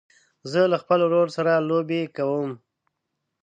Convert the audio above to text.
زه له خپل ورور سره لوبې کوم.